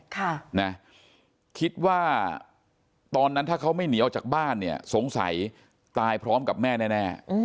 ค่ะนะคิดว่าตอนนั้นถ้าเขาไม่หนีออกจากบ้านเนี่ยสงสัยตายพร้อมกับแม่แน่